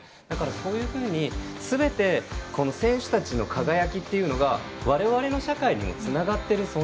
だから、そういうふうにすべて選手たちの輝きというのが我々の社会にもつながっている。